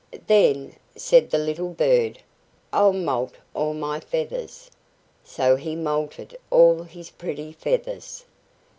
"Then," said the little bird, "I'll moult all my feathers." So he moulted all his pretty feathers.